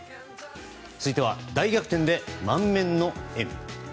続いては大逆転で満面の笑み。